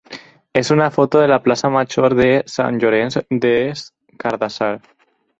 és una foto de la plaça major de Sant Llorenç des Cardassar.